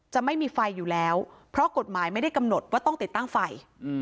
ไม่มีไฟอยู่แล้วเพราะกฎหมายไม่ได้กำหนดว่าต้องติดตั้งไฟ